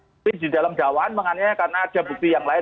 tapi di dalam dakwaan mengenai karena ada bukti yang lain